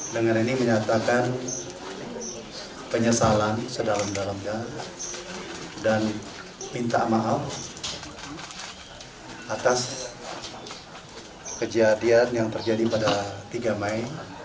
dengan ini menyatakan penyesalan sedalam dalamnya dan minta maaf atas kejadian yang terjadi pada tiga mei